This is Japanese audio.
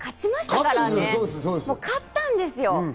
もう勝ったんですよ！